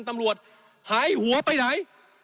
ตำรวจหายหัวไปไหน